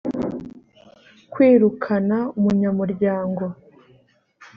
kwirukana umunyamuryango